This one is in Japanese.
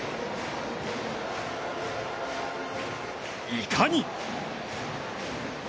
いかに。